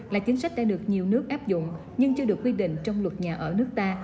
là chính sách đã được nhiều nước áp dụng nhưng chưa được quy định trong luật nhà ở nước ta